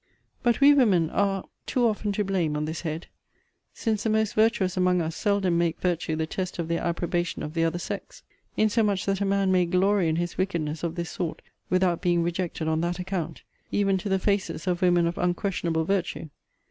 But we women are too often to blame on this head; since the most virtuous among us seldom make virtue the test of their approbation of the other sex; insomuch that a man may glory in his wickedness of this sort without being rejected on that account, even to the faces of women of unquestionable virtue.